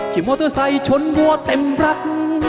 มอเตอร์ไซค์ชนวัวเต็มรัก